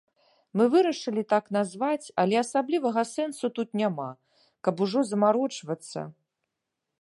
Мы вырашылі так назваць, але асаблівага сэнсу тут няма, каб ужо замарочвацца.